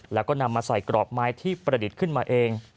แล้วก็นำมาใส่กรอบไม้ที่ประดิษฐ์ขึ้นมาเอง